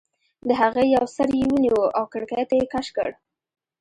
د هغې یو سر یې ونیو او کړکۍ ته یې کش کړ